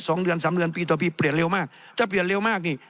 สองเดือนสามเดือนปีต่อปีเปลี่ยนเร็วมากถ้าเปลี่ยนเร็วมากนี่